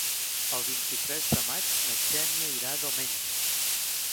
El vint-i-tres de maig na Xènia irà a Domenyo.